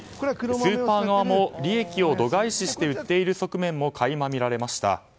スーパー側も、利益を度外視して売っている側面も垣間見られました。